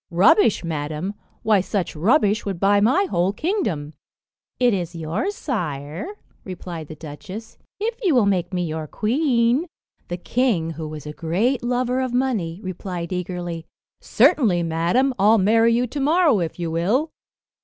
"Rubbish, madam! Why, such rubbish would buy my whole kingdom." "It is yours, sire," replied the duchess, "if you will make me your queen." The king, who was a great lover of money, replied eagerly, "Certainly, madam, I'll marry you to morrow if you will."